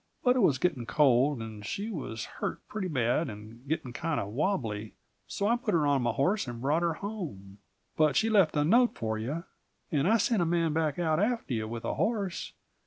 But it was getting cold, and she was hurt pretty bad and getting kinda wobbly, so I put her on my horse and brought her home. But she left a note for you, and I sent a man back after you with a horse.